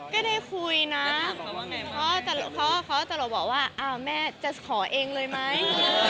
ก็ได้คุยนะเพราะเขาจะบอกว่าแม่จะขอเองเลยไหม